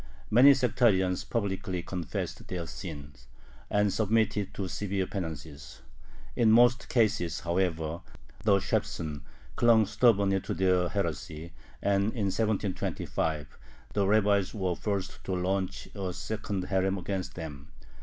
Many sectarians publicly confessed their sins, and submitted to severe penances. In most cases, however, the "Shebsen" clung stubbornly to their heresy, and in 1725 the rabbis were forced to launch a second herem against them.